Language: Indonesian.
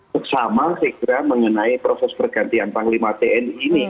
bersama segera mengenai proses pergantian panglima tni ini